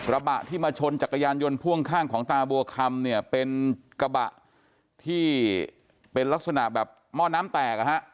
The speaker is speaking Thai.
ระบะที่มาชนจักรยานยนต์พ่วงข้างของตาบัวคำเนี่ยเป็นกระบะที่เป็นลักษณะแบบหม้อน้ำแตกอ่ะฮะ